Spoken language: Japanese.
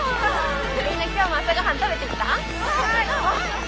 みんな今日も朝ごはん食べてきた？